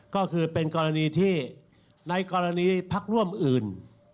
ก็คือเป็นกรณีที่ในกรณีพักร่วมอื่น